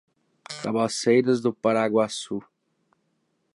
Cabaceiras do Paraguaçu